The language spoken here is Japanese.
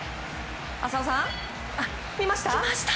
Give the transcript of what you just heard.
浅尾さん、見ました？